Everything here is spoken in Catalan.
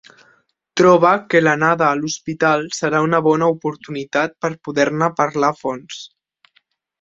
Troba que l'anada a l'hospital serà una bona oportunitat per poder-ne parlar a fons.